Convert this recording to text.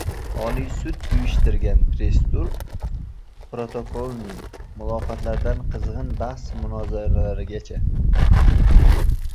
Oliy sud uyushtirgan press-tur: «protokolniy» muloqotlardan qizg‘in bahs-manozaralargacha...